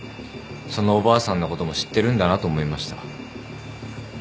そのおばあさんのことも知ってるんだなと思いました。